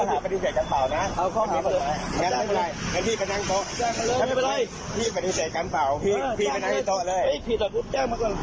จะเอาข้อข้อดูกกันก่อนเลย